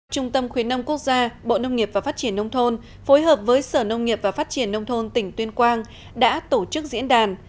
trung tâm khuyến nông quốc gia bộ nông nghiệp và phát triển nông thôn phối hợp với sở nông nghiệp và phát triển nông thôn tỉnh tuyên quang đã tổ chức diễn đàn